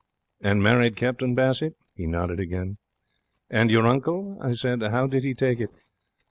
'And married Captain Bassett?' He nodded again. 'And your uncle?' I said. 'How did he take it?'